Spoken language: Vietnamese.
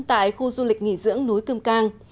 tại khu du lịch nghỉ dưỡng núi cương cang